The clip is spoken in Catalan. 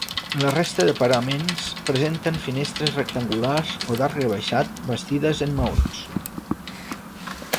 La resta de paraments presenten finestres rectangulars o d'arc rebaixat bastides en maons.